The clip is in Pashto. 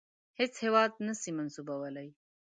هیڅ هیواد نه سي منسوبولای.